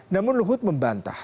namun luhut membantah